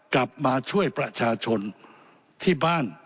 กลับมาช่วยประชาชนที่บ้าน